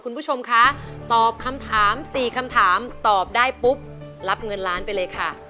คุณผู้ชมคะตอบคำถาม๔คำถามตอบได้ปุ๊บรับเงินล้านไปเลยค่ะ